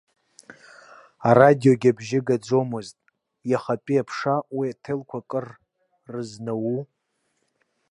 Арадиогьы абжьы гаӡомызт, иахатәи аԥша уи аҭелқәа акыр рызнауу!